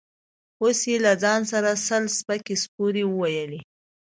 اوس يې له ځان سره سل سپکې سپورې وويلې.